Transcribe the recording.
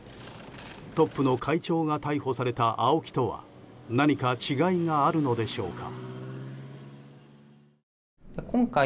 トップの会長が逮捕されたＡＯＫＩとは何か違いがあるのでしょうか。